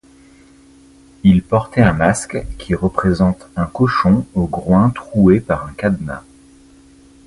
Il portait un masque qui représente un cochon au groin troué par un cadenas.